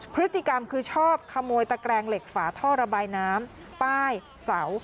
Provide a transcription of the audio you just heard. พฤติกรรมคือชอบขโมยตะแกรงเหล็กฝาท่อระบายน้ำป้ายเสา